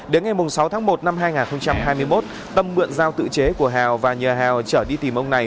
đến ngày sáu tháng một năm hai nghìn hai mươi một tâm mượn giao tự chế của hào và nhờ hào trở đi tìm ông này